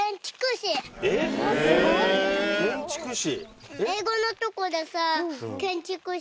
建築士。